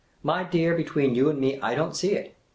M3' dear, be tween you and me, I don't see it.